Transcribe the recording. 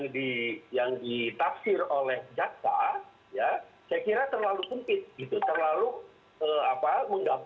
dakwahannya kan primaria subsidi dari